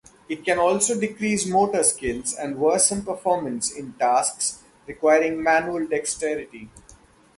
It can also decrease motor skills, and worsen performance in tasks requiring manual dexterity.